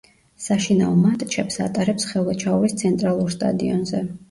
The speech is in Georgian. საშინაო მატჩებს ატარებს ხელვაჩაურის ცენტრალურ სტადიონზე.